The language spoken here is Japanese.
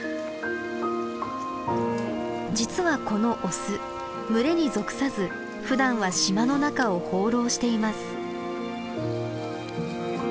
実はこのオス群れに属さずふだんは島の中を放浪しています。